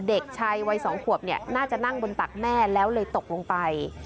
เด็กชายวัย๒ขวบน่าจะนั่งบนตักแม่แล้วเลยตกลงไป